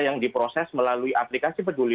yang diproses melalui aplikasi peduli